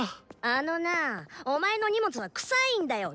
あのなお前の荷物は臭いんだよ